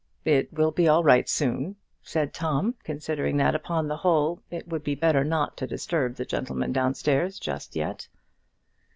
"It will be all right, soon," said Tom, considering that upon the whole it would be better not to disturb the gentleman downstairs just yet.